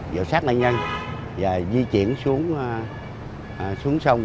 vào sát nạn nhân và di chuyển xuống sông